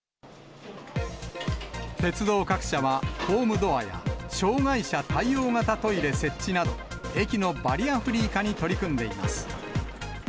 鉄道各社は、ホームドアや、障がい者対応型トイレ設置など、駅のバリアフリー化に取り組んでいます。